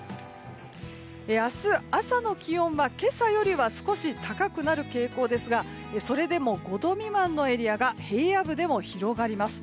明日朝の気温は今朝よりは少し高くなる傾向ですがそれでも５度未満のエリアが平野部でも広がります。